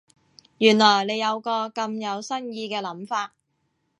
原來你有個咁有新意嘅諗法